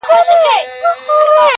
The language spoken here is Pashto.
• مخامخ یې کړله منډه په ځغستا سو -